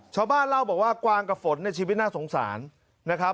ชาวบ้านเล่าบอกว่ากวางกับฝนในชีวิตน่าสงสารนะครับ